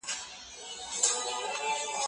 که سمه وسیله وکارول شي، پایله ښه کېږي.